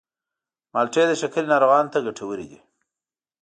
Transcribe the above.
مالټې د شکرې ناروغانو ته ګټورې دي.